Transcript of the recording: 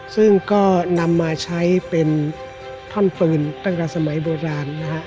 ซึ่งก็นำมาใช้เป็นท่อนปืนตั้งแต่สมัยโบราณนะฮะ